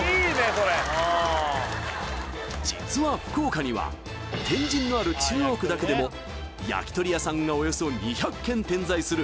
それああ実は福岡には天神のある中央区だけでも焼き鳥屋さんがおよそ２００軒点在する